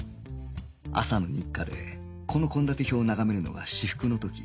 朝の日課でこの献立表を眺めるのが至福の時